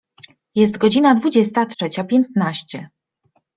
Jest godzina dwudziesta trzecia piętnaście.